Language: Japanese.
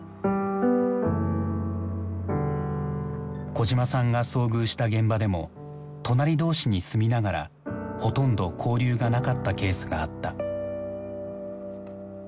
小島さんが遭遇した現場でも隣同士に住みながらほとんど交流がなかったケースがあった。